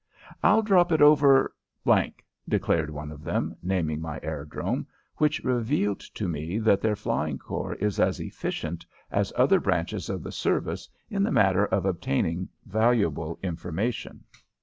"I'll drop it over ," declared one of them, naming my aerodrome, which revealed to me that their flying corps is as efficient as other branches of the service in the matter of obtaining valuable information.